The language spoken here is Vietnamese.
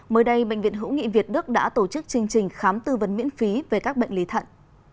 mới đây bệnh viện hữu nghị việt đức đã tổ chức chương trình khám tư vấn miễn phí về các bệnh lý thận